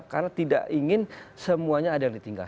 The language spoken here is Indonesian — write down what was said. karena tidak ingin semuanya ada yang ditinggalkan